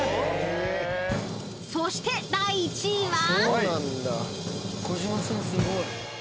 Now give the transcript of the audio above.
［そして第１位は？］